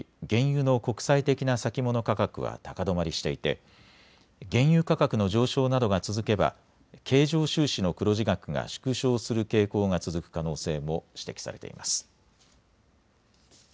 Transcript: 原油の国際的な先物価格は高止まりしていて原油価格の上昇などが続けば経常収支の黒字額が縮小する傾向が続く可能性も指摘されています。